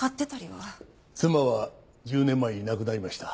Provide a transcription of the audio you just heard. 妻は１０年前に亡くなりました。